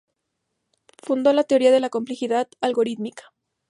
Fundó la teoría de la complejidad algorítmica.